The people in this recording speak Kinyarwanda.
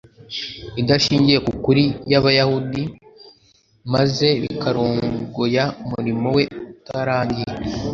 idashingiye ku kuri y’Abayuda maze bikarogoya umurimo We utarangiye